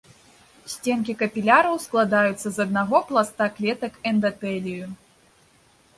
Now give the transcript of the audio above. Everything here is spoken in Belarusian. Сценкі капіляраў складаюцца з аднаго пласта клетак эндатэлію.